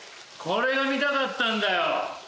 これが見たかったんだよ。